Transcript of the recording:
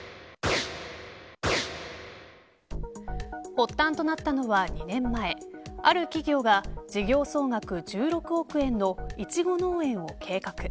発端となったのは２年前ある企業が、事業総額１６億円のイチゴ農園を計画。